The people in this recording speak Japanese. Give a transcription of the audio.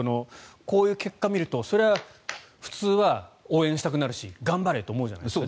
こういう結果を見るとそれは普通は応援したくなるし頑張れと思うじゃないですか。